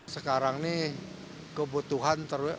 sekarang ini kebutuhan terlalu